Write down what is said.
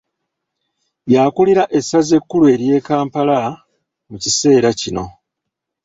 Yakulira essaza ekkulu ery'e Kampala mu kiseera kino.